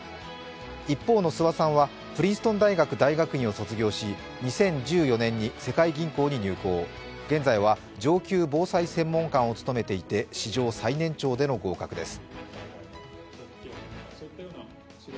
一方の諏訪さんはプリンストン大学大学院を卒業し２０１４年に世界銀行に入行現在は、上級防災専門官を務めていて史上最年長での合格です。